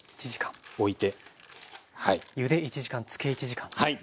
ゆで１時間つけ１時間ってことですね。